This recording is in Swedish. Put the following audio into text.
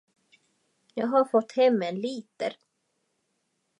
Jag har fått hem en liter.